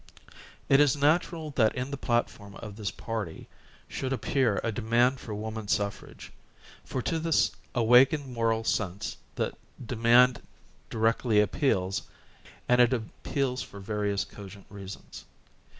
170 THE BIRTH OF THE NEW PARTY It is natural that in the platform of this party should appear a demand for woman suffrage, for to this awak ened moral sense that demand directly appeals, and it appeals for various cogent reasons.